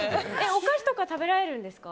お菓子とか食べられるんですか？